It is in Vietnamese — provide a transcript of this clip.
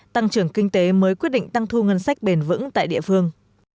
tăng trưởng kinh tế mới quyết định tăng thu ngân sách bền vững tại địa phương